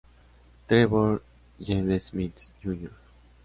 Trevor James Smith, Jr.